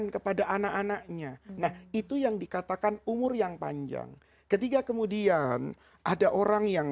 kepada anak anaknya nah itu yang dikatakan umur yang panjang ketika kemudian ada orang yang